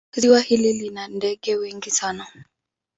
Ziwa hili lina ndege wengi sana.